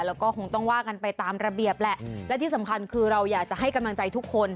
แล้วก็คงต้องว่ากันไปตามระเบียบแหละและที่สำคัญคือเราอยากจะให้กำลังใจทุกคน